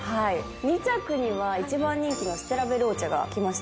２着には１番人気のステラヴェローチェが来ましたよね。